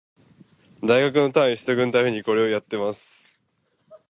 大学の単位取得のためにこれをやってます